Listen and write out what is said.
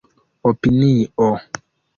opinio